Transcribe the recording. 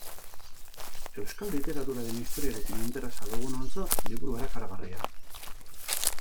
Euskal literaturaren historiarekin interesa dugunontzat liburu erakargarria.